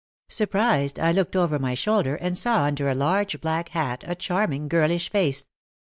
Surprised, I looked over my shoulder and saw under a large, black hat a charming, girlish face.